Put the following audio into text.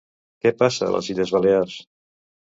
Què passa a les Illes Balears?